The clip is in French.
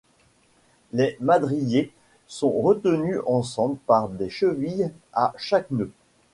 Les madriers sont retenus ensemble par des chevilles à chaque nœud.